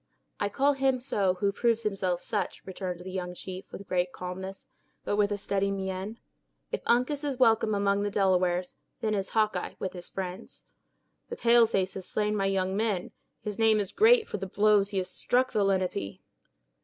"I call him so who proves himself such," returned the young chief, with great calmness, but with a steady mien. "If Uncas is welcome among the Delawares, then is Hawkeye with his friends." "The pale face has slain my young men; his name is great for the blows he has struck the Lenape."